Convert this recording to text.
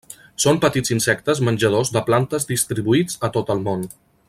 Són petits insectes menjadors de plantes distribuïts a tot el món.